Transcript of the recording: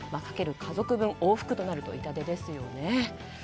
かける家族分、往復となると痛手ですよね。